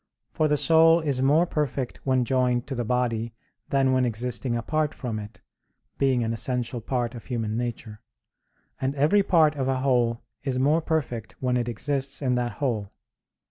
For the soul is more perfect when joined to the body than when existing apart from it, being an essential part of human nature; and every part of a whole is more perfect when it exists in that whole.